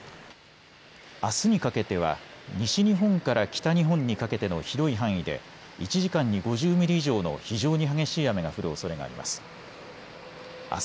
あすにかけては西日本から北日本にかけての広い範囲で１時間に５０ミリ以上の非常に激しい雨が降るおそれがあります。